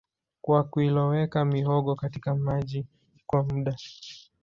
kwa kuiloweka mihogo katika maji kwa muda